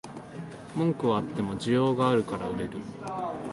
文句はあっても需要があるから売れる